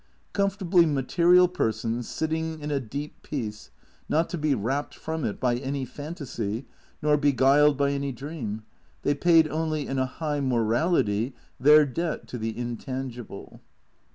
Comfortably material persons, sitting in a deep peace, not to be rapt from it by any fantasy, nor beguiled by any dream, they paid only in a high morality their debt to the intangible.